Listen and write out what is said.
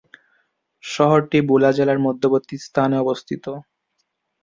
শহরটি ভোলা জেলার মধ্যবর্তী স্থানে অবস্থিত।